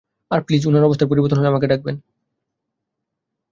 আর please উনার অবস্থার পরিবর্তন হলে আমাকে ডাকবেন।